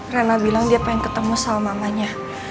reyna bilang dia pengen ketemu salmanganya